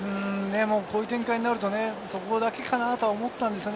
こういう展開になると、そこだけかなと思いました。